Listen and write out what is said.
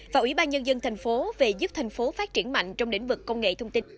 và ủy ban nhân dân tp hcm về giúp tp hcm phát triển mạnh trong lĩnh vực công nghệ thông tin